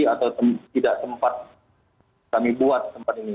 atau tidak sempat kami buat tempat ini